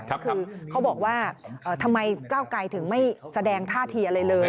คือเขาบอกว่าทำไมก้าวไกลถึงไม่แสดงท่าทีอะไรเลย